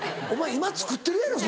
今作ってるやろそれ。